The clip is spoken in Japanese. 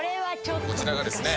こちらがですね